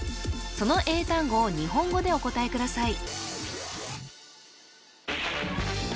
その英単語を日本語でお答えください